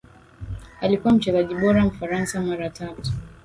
alikuwa mchezaji bora mfaransa mara tatu